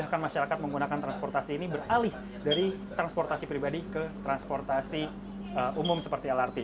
jadi percaya saya masyarakat menggunakan transportasi ini beralih dari transportasi pribadi ke transportasi umum seperti lrt